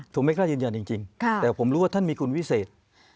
ผมไม่กล้ายืนยันจริงแต่ผมรู้ว่าท่านมีคุณวิเศษ